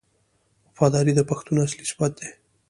وفاداري د پښتون اصلي صفت دی.